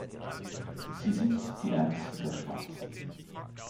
Sie sind die ärmsten der Schwarzen.